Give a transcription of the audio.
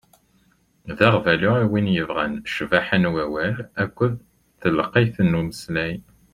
D aɣbalu i win yebɣan ccbaḥa n wawal akked telqayt n umeslay.